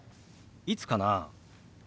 いつかな？